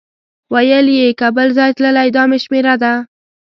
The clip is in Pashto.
ویل یې که بل ځای تللی دا مې شمېره ده.